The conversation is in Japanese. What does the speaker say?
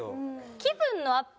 気分のアップ